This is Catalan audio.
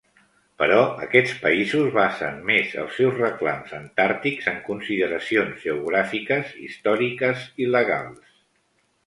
Però aquests països basen més els seus reclams antàrtics en consideracions geogràfiques, històriques i legals.